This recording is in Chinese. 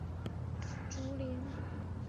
雪兰莪河的河床可能在过去是一片竹林。